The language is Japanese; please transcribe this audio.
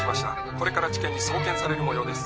「これから地検に送検される模様です」